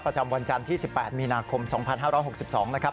ประจำวันจันทร์ที่สิบแปดมีนาคมสองพันห้าร้อยหกสิบสองนะครับ